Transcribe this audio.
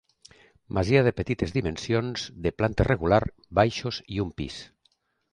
Masia de petites dimensions, de planta rectangular, baixos i un pis.